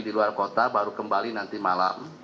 di luar kota baru kembali nanti malam